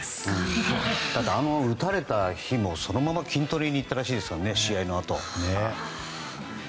打たれた日もそのまま筋トレに行ったらしいですからね。